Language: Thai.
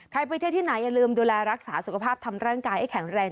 ไปเที่ยวที่ไหนอย่าลืมดูแลรักษาสุขภาพทำร่างกายให้แข็งแรง